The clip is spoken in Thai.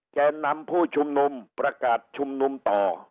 แก่นำผู้ชุมนุมประกาศชุมนุมต่อ